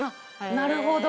なるほど。